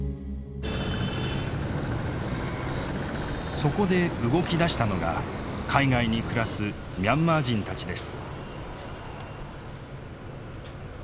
そこで動きだしたのが海外に暮らすミャンマー人たちです。